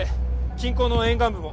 近郊の沿岸部も。